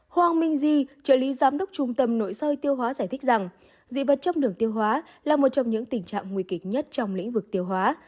hoàng minh di trợ lý giám đốc trung tâm nội soi tiêu hóa giải thích rằng dị vật trong đường tiêu hóa là một trong những tình trạng nguy kịch nhất trong lĩnh vực tiêu hóa